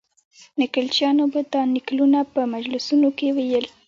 نکلچیانو به دا نکلونه په مجلسونو کې ویل.